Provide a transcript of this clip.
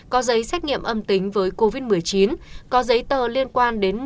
có giấy xét nghiệm âm tính với covid một mươi chín